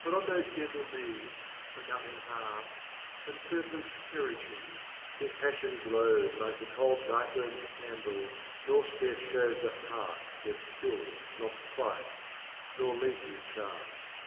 But on those gentle meads where nothing harms And purpose perishes, his passion glowed Like the cold nightworm's candle nor scarce shewed The heart death kills not quite nor Lethe charms.